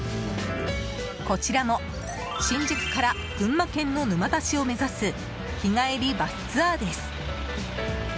こちらも新宿から群馬県の沼田市を目指す日帰りバスツアーです。